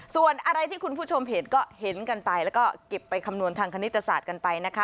ส่วนอะไรที่คุณผู้ชมเห็นก็เห็นกันไปแล้วก็เก็บไปคำนวณทางคณิตศาสตร์กันไปนะคะ